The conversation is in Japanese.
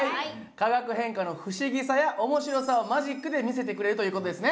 化学変化の不思議さや面白さをマジックで見せてくれるという事ですね？